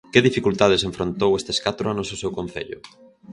Que dificultades enfrontou estes catro anos o seu concello?